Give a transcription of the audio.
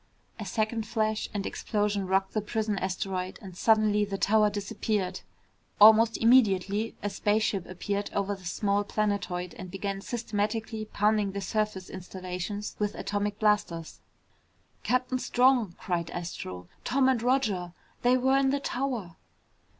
A second flash and explosion rocked the prison asteroid and suddenly the tower disappeared. Almost immediately, a spaceship appeared over the small planetoid and began systematically pounding the surface installations with atomic blasters. "Captain Strong," cried Astro. "Tom and Roger they were in the tower!"